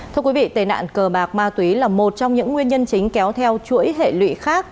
thưa quý vị tệ nạn cờ bạc ma túy là một trong những nguyên nhân chính kéo theo chuỗi hệ lụy khác